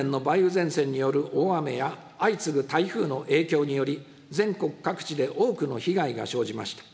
前線による大雨や相次ぐ台風の影響により、全国各地で多くの被害が生じました。